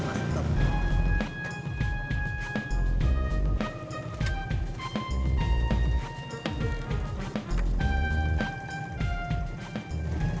ya stop terus